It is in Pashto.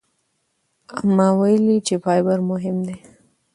اما ویلي چې فایبر مهم دی.